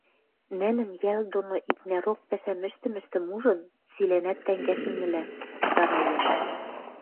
Нӹнӹн йӓл доно икнӓрок пӓшӓм ӹштӹмӹштӹм ужын, цилӓнӓт тӓнгӓшӹмӹлӓ стараенӹт.